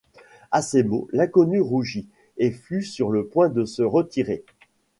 À ces mots, l’inconnu rougit et fut sur le point de se retirer.